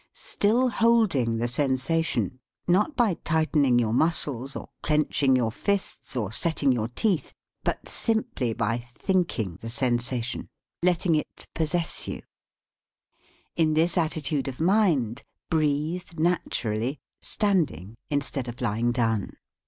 Still holding the sensation (not by tightening your muscles, or clenching your fists, or setting your teeth, but simply by thinking the sen sation, letting it possess you) , in this attitude of mind breathe naturally, standing instead of lying down.